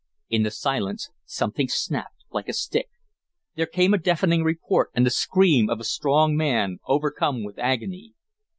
In the silence something snapped like a stick. There came a deafening report and the scream of a strong man overcome with agony.